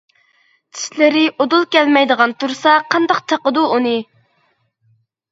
چىشلىرى ئۇدۇل كەلمەيدىغان تۇرسا قانداق چاقىدۇ ئۇنى.